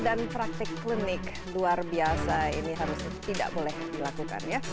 dan praktik klinik luar biasa ini harus tidak boleh dilakukan ya